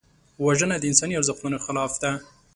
وژنه د انساني ارزښتونو خلاف ده